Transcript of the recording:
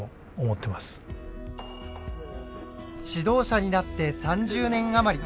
指導者になって３０年余り。